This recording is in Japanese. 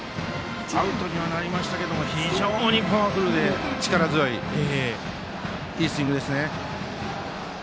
アウトにはなりましたが非常にパワフルで力強い、いいスイングですね。